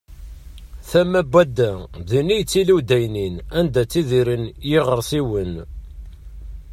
Tama wadda, din i yettili uddaynin anda ttidiren yiɣersiwen.